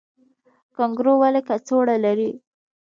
کانګارو ولې کڅوړه لري؟